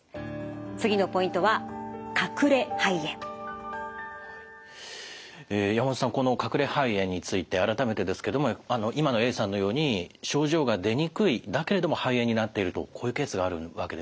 次のポイントは山本さんこの隠れ肺炎について改めてですけども今のＡさんのように症状が出にくいだけれども肺炎になっているとこういうケースがあるわけですね。